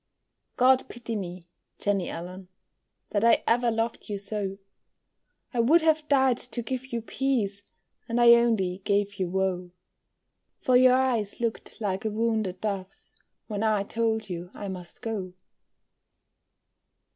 God pity me, Jenny Allen, That I ever loved you so, I would have died to give you peace, And I only gave you woe; For your eyes looked like a wounded dove's, When I told you I must go.